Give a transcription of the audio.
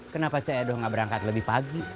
kenapa si edo nggak berangkat lebih pagi